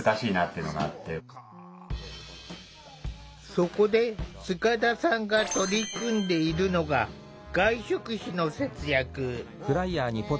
そこで塚田さんが取り組んでいるのが外食費の節約。